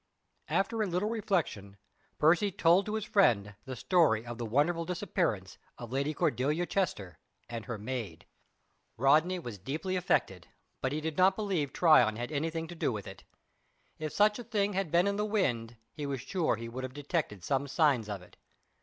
After a little reflection Percy told to his friend the story of the wonderful disappearance of Lady Cordelia Chester and her maid. Rodney was deeply affected, but he did not believe Tryon had anything to do with it. If such a thing had been in the wind he was sure he would have detected some signs of it.